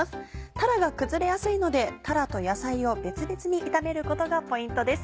たらが崩れやすいのでたらと野菜を別々に炒めることがポイントです。